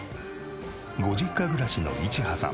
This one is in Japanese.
ご実家暮らしのいちはさん。